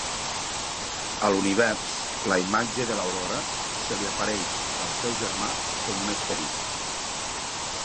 A l'univers, la imatge de l'Aurora se li apareix al seu germà com un esperit.